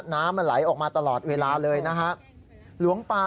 น้ำมันไหลออกมาตลอดเวลาเลยนะฮะ